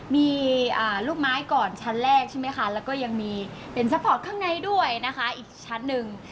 มีลูกไม้ก่อนชั้นแรกใช่ไหมคะแล้วก็ยังมีเป็นซัพพอร์ตข้างในด้วยนะคะอีกชั้นหนึ่ง